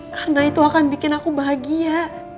karena itu akan bikin aku bahagia